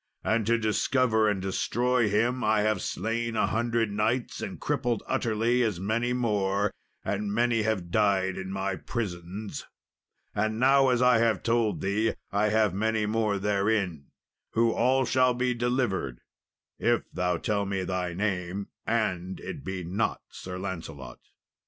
And to discover and destroy him I have slain a hundred knights, and crippled utterly as many more, and many have died in my prisons; and now, as I have told thee, I have many more therein, who all shall be delivered, if thou tell me thy name, and it be not Sir Lancelot."